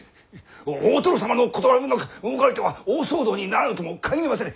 大殿様の断りもなく動かれては大騒動にならぬとも限りませぬ！